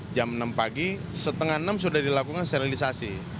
jam enam pagi setengah enam sudah dilakukan sterilisasi